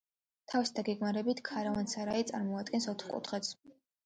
თავისი დაგეგმარებით ქარავან-სარაი წარმოადგენს ოთხკუთხედს.